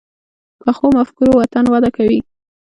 پخو مفکورو وطن وده کوي